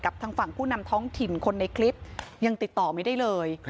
ทางฝั่งผู้นำท้องถิ่นคนในคลิปยังติดต่อไม่ได้เลย